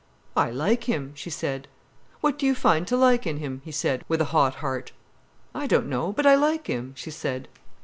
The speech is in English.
"I like him," she said. "What do you find to like in him?" he said, with a hot heart. "I don't know—but I like him," she said.